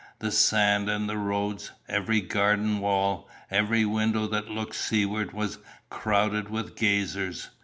The sand and the roads, every garden wall, every window that looked seaward was crowded with gazers.